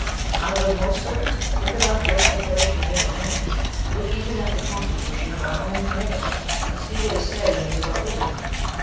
"I would, most certainly. Look at our great Declaration of Independence; look even at the constitution of our own Connecticut, and see what is said in these about liberty."